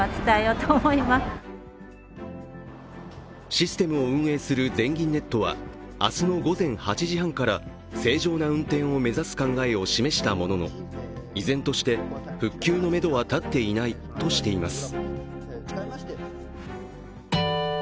システムを運営する全銀ネットは明日の午前８時半から正常な運転を目指す考えを示したものの依然として復旧のめどは立っていないとしています。